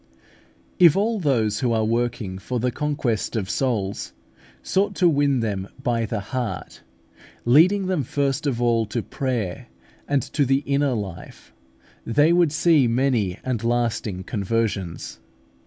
If all those who are working for the conquest of souls sought to win them by the heart, leading them first of all to prayer and to the inner life, they would see many and lasting conversions.